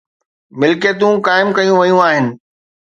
ملڪيتون قائم ڪيون ويون آهن.